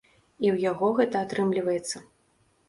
І ў яго гэта атрымліваецца.